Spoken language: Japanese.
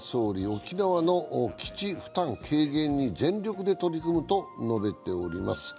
沖縄の基地負担軽減に全力で取り組むと述べております。